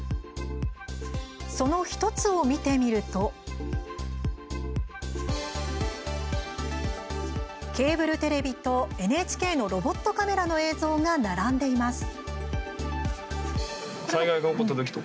その１つを見てみるとケーブルテレビとＮＨＫのロボットカメラの映像が並んでいます。